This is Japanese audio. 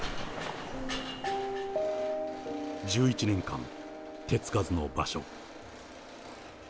１１年間、手つかずの場所。